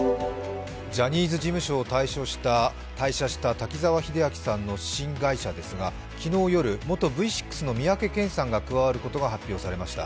ジャニーズ事務所を退社した滝沢秀明さんの新会社ですが、昨日夜元Ｖ６の三宅健さんが、加わることが発表されました。